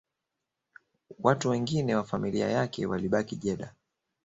Watu wengine wa familia yake walibaki Jeddah